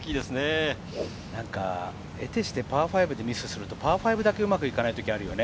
得てしてパー５でミスすると、パー５だけうまくいかないことがあるよね？